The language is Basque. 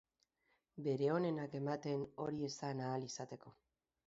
Bere onenak ematen hori esan ahal izateko.